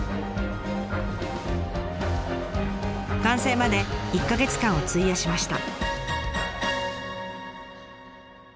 完成まで１か月間を費やしました。